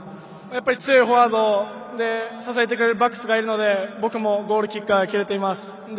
強いフォワードと支えてくれるバックスがいるので、僕もゴールキックが蹴れています。